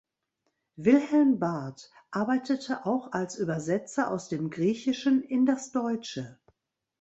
Wilhelm Barth arbeitete auch als Übersetzer aus dem Griechischen in das Deutsche.